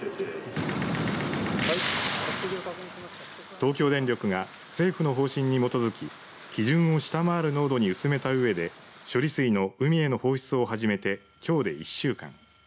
東京電力が政府の方針に基づき基準を下回る濃度に薄めたうえで処理水の海への放出を始めてきょうで１週間。